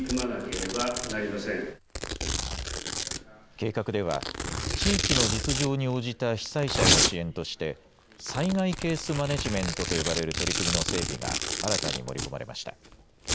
計画では地域の実情に応じた被災者への支援として災害ケースマネジメントと呼ばれる取り組みの整備が新たに盛り込まれました。